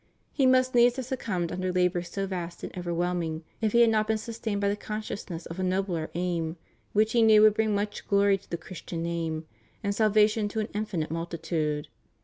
He must needs have succumbed under labors so vast and overwhelming if he had not been sustained by the consciousness of a nobler aim, which he knew would bring much glory to the Christian name, and salvation to an infinite multitude.